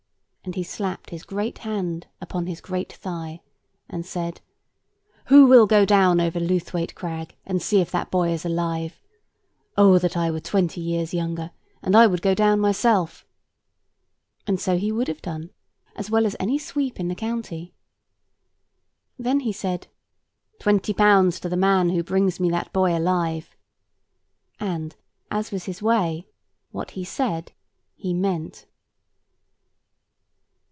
And he slapped his great hand upon his great thigh, and said— "Who will go down over Lewthwaite Crag, and see if that boy is alive? Oh that I were twenty years younger, and I would go down myself!" And so he would have done, as well as any sweep in the county. Then he said— "Twenty pounds to the man who brings me that boy alive!" and as was his way, what he said he meant.